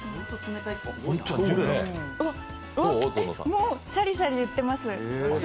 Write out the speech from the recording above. もうシャリシャリいってます。